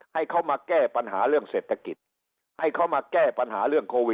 ให้เขามาแก้ปัญหาเรื่องเศรษฐกิจให้เขามาแก้ปัญหาเรื่องโควิด